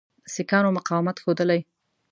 سیکهانو مقاومت ښودلی.